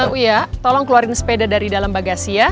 wuiya tolong keluarin sepeda dari dalam bagasi ya